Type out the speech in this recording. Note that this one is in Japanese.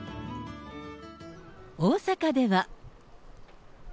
大阪では。